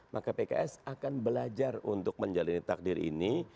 maka pks akan belajar untuk menjalani takdir ini